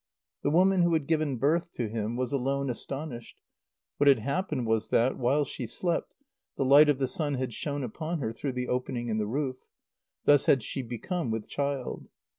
The woman who had given birth to him was alone astonished. What had happened was that, while she slept, the light of the sun had shone upon her through the opening in the roof. Thus had she become with child.